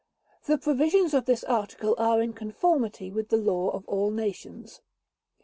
The provisions of this article are in conformity with the law of all nations.